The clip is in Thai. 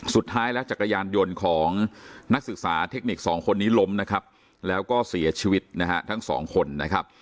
สุดท้ายแล้วจักรยานยนต์ของนักศึกษาเทคนิคสองคนนี้ล้มนะครับแล้วก็เสียชีวิตนะฮะทั้งสองคนนะครับ